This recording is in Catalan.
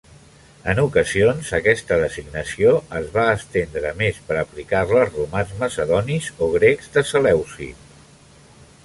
En ocasions, aquesta designació es va estendre més per aplicar-la als romans, macedonis o grecs de Seleucid.